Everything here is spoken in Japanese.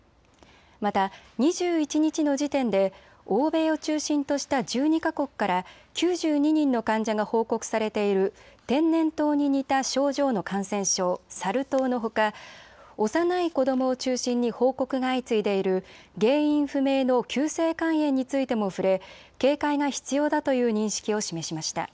また２１日の時点で欧米を中心とした１２か国から９２人の患者が報告されている天然痘に似た症状の感染症、サル痘のほか幼い子どもを中心に報告が相次いでいる原因不明の急性肝炎についても触れ、警戒が必要だという認識を示しました。